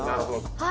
はい。